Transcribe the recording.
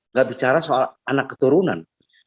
nggak bicara soal anak keturunan